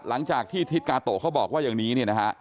หลังจากที่ทิศกาโตะเขาบอกว่าอย่างนี้เนี่ยนะฮะ